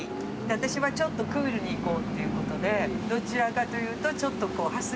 私はちょっとクールにいこうっていうことでどちらかというとちょっとはすに構えた。